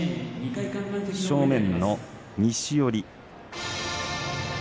正面の西寄り。